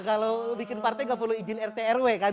kalau bikin partai nggak perlu izin rt rw kan